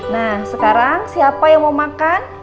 nah sekarang siapa yang mau makan